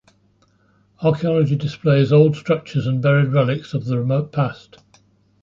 Archaeology displays old structures and buried relics of the remote past.